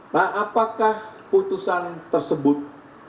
nah apakah putusan tersebut